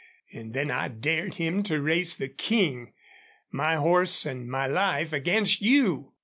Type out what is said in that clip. An' then I dared him to race the King. My horse an' my life against YOU!"